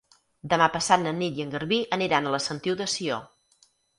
Demà passat na Nit i en Garbí aniran a la Sentiu de Sió.